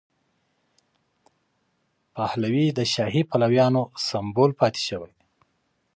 پهلوي د شاهي پلویانو سمبول پاتې شوی.